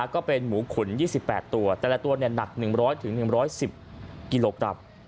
ก็เป็นหมูขุน๒๘ตัวแต่ละตัวหนัก๑๐๐๑๑๐กิโลกรัม